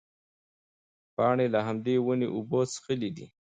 پاڼې له همدې ونې اوبه څښلې دي.